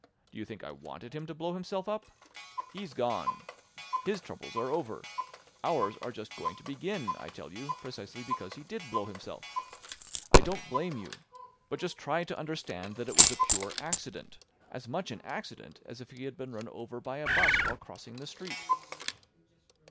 Do you think I wanted him to blow himself up? He's gone. His troubles are over. Ours are just going to begin, I tell you, precisely because he did blow himself. I don't blame you. But just try to understand that it was a pure accident; as much an accident as if he had been run over by a 'bus while crossing the street."